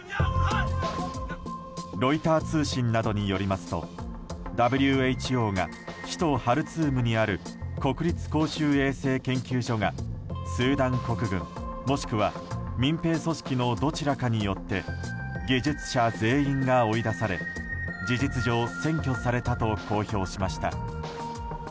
ロイター通信などによりますとＷＨＯが首都ハルツームにある国立公衆衛生研究所がスーダン国軍、もしくは民兵組織のどちらかによって技術者全員が追い出され事実上、占拠されたと公表しました。